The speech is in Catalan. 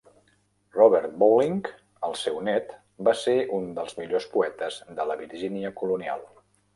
Robert Bolling, el seu net, va ser un dels millors poetes de la Virgínia colonial.